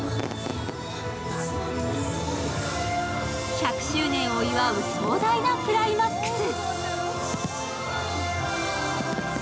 １００周年を祝う壮大なクライマックス。